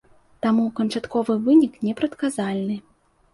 Таму канчатковы вынік непрадказальны.